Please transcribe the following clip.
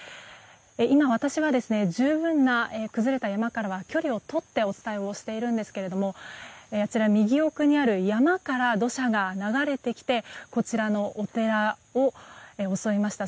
今、私は十分な崩れた山からは距離を取ってお伝えをしているんですけどもあちら、右奥にある山から土砂が流れてきてこちらのお寺を襲いました。